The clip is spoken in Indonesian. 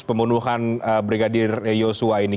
pembunuhan brigadir joshua ini